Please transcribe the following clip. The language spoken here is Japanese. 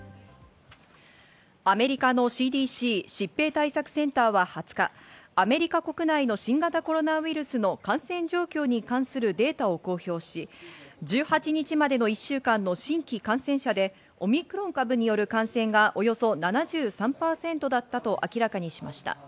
アメリカのＣＤＣ＝疾病対策センターは２０日、アメリカ国内の新型コロナウイルスの感染状況に関するデータを公表し、１８日までの１週間の新規感染者でオミクロン株による感染がおよそ７３％だったと明らかにしました。